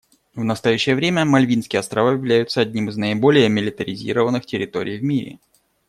В настоящее время Мальвинские острова являются одними из наиболее милитаризированных территорий в мире.